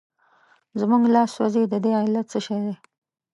زموږ لاس سوځي د دې علت څه شی دی؟